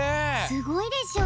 すごいでしょ？